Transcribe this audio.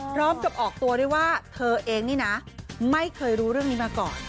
พร้อมกับออกตัวด้วยว่าเธอเองนี่นะไม่เคยรู้เรื่องนี้มาก่อน